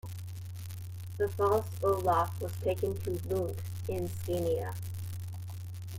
The false Olaf was taken to Lund in Scania.